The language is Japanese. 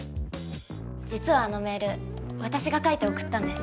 実はあのメール私が書いて送ったんです。